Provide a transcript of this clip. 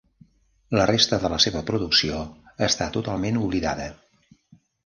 La resta de la seva producció està totalment oblidada.